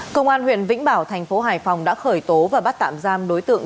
công an huyện vĩnh bảo thành phố hải phòng đã khởi tố và bắt tạm giam đối tượng